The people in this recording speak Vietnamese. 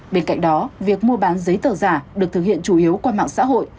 bên cạnh đó việc mua bán giấy tờ giả được thực hiện chủ yếu qua mạng xã hội